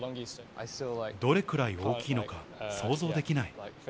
どれくらい大きいのか、想像できない。